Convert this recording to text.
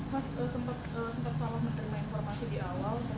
mas sempat salah menerima informasi di awal